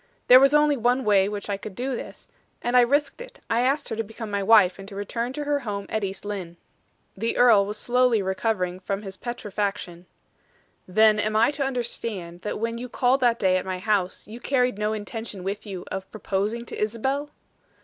There was only one way which I could do this, and I risked it. I asked her to become my wife, and to return to her home at East Lynne." The earl was slowly recovering from his petrifaction. "Then, am I to understand, that when you called that day at my house, you carried no intention with you of proposing to Isabel?"